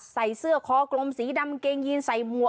ใส่เสื้อคอกลมสีดำเกงยีนใส่หมวก